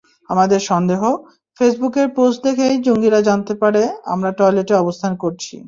আমাদের সন্দেহ, ফেসবুকের পোস্ট দেখেই জঙ্গিরা জানতে পারে, আমরা টয়েলেটে অবস্থান করছি।